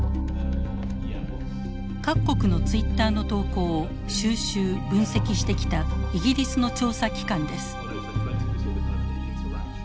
各国のツイッターの投稿を収集分析してきたイギリスの調査機関です。